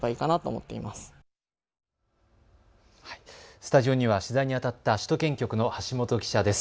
スタジオには取材にあたった首都圏局の橋本記者です。